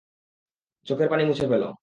চোখের পানি মুছে ফেল।